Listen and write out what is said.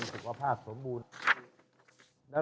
โหวตวันที่๒๒